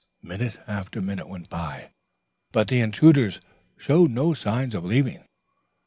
Minute after minute went by, but the intruders showed no signs of leaving.